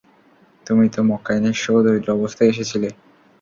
তুমি তো মক্কায় নিঃস্ব ও দরিদ্র অবস্থায় এসেছিলে।